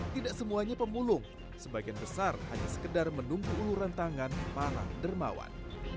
tidak semuanya pemulung sebagian besar hanya sekedar menunggu uluran tangan para dermawan